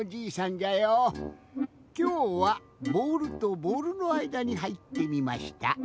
きょうはボールとボールのあいだにはいってみました。